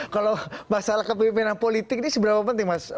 kalau masalah kepemimpinan politik ini seberapa penting mas